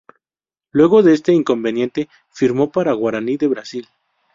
Luego de este inconveniente firmo para Guaraní de Brasil.